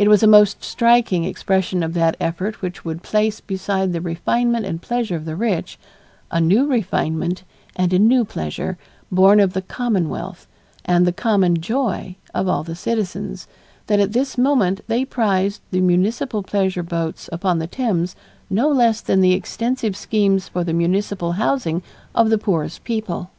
It was a most striking expression of that effort which would place beside the refinement and pleasure of the rich, a new refinement and a new pleasure born of the commonwealth and the common joy of all the citizens, that at this moment they prized the municipal pleasure boats upon the Thames no less than the extensive schemes for the municipal housing of the poorest people.